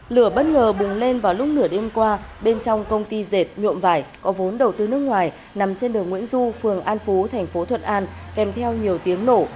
lửa bất ngờ bùng lên vào lúc nửa đêm qua bên trong công ty dệt nhuộm vải có vốn đầu tư nước ngoài nằm trên đường nguyễn du phường an phú thành phố thuận an kèm theo nhiều tiếng nổ